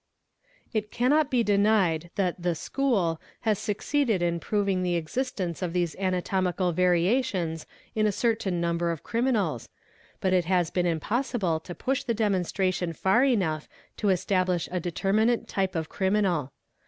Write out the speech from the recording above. _ It cannot be denied that the 'school' has succeeded in proving the { xistence of these anatomical variations in a certain number of criminals, "but it has been impossible to push the demonstration far enough to "establish a determinate type of criminal.